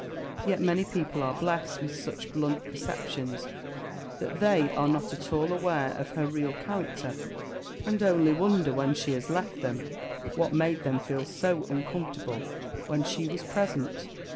Yet many people are blessed with such blunt perceptions that they are not at all aware of her real character, and only wonder, when she has left them, what made them feel so uncomfortable when she was present.